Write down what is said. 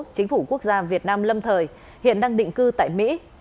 chính phủ quốc gia việt nam lâm thời hiện đang định cư tại mỹ